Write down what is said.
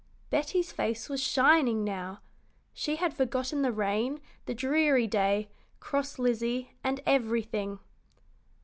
Betty's face was shining now. She had forgotten the rain, the dreary day, cross Lizzie, and everything.